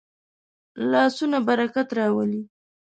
لاسونه برکت راولي